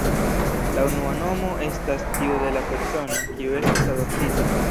La unua nomo estas tiu de la persono, kiu estis adoptita.